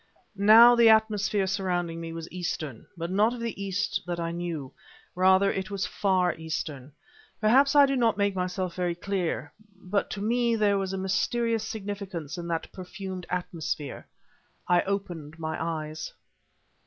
Now, the atmosphere surrounding me was Eastern, but not of the East that I knew; rather it was Far Eastern. Perhaps I do not make myself very clear, but to me there was a mysterious significance in that perfumed atmosphere. I opened my eyes.